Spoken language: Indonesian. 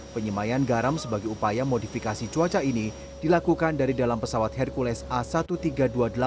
penyemayan garam sebagai upaya modifikasi cuaca ini dilakukan dari dalam pesawat hercules a seribu tiga ratus dua puluh delapan